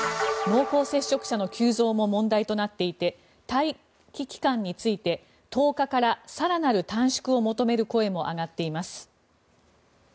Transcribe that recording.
濃厚接触者の急増も問題となっていて待機期間について１０日から更なる短縮を求める声も上がっています。